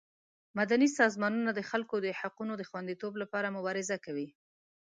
مدني سازمانونه د خلکو د حقونو د خوندیتوب لپاره مبارزه کوي.